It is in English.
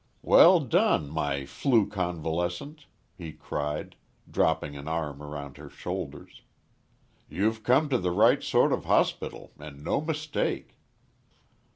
"Well done, my `flu' convalescent," he cried, dropping an arm round her shoulders. "You've come to the right sort of hospital and no mistake."